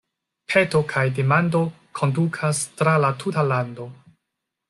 Peto kaj demando kondukas tra la tuta lando.